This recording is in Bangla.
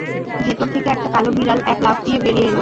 ভেতর থেকে একটা কালো বিড়াল এক লাফ দিয়ে বেরিয়ে এল।